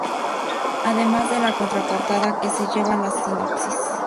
Además de la contraportada que lleva la sinopsis.